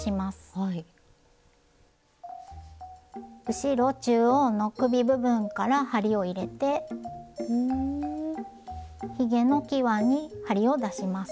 後ろ中央の首部分から針を入れてひげのきわに針を出します。